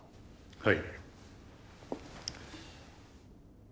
はい。